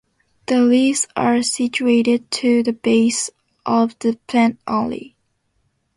The leaves are situated to the base of the plant only.